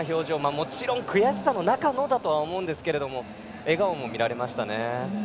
もちろん悔しさの中のだと思いますが笑顔も見られましたね。